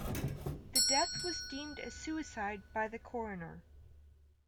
The death was deemed a suicide by the coroner.